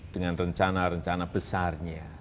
dengan rencana rencana besar